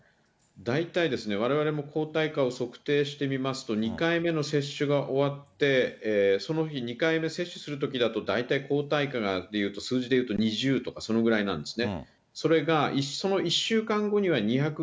大体ですね、われわれも抗体化を測定してみますと、２回目の接種が終わって、その日、２回目接種するときだと、大体抗体かが、数字でいうと２０とか、そのぐらいなんですね。